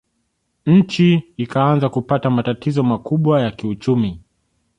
Nchi ikaanza kupata matatizo makubwa ya kiuchumi